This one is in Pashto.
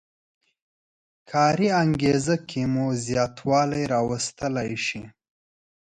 کاري انګېزه کې مو زیاتوالی راوستلی شي.